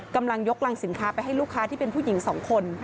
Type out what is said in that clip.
กำลังยกรังสินค้าไปให้ลูกค้าที่เป็นผู้หญิงสองคน